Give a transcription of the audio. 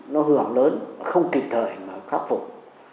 nó hưởng lớn không kịp thời mà khắc phục